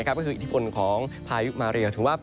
ก็คืออิทธิพลของพายุมาเรียถือว่า